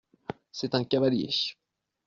C’est un cavalier.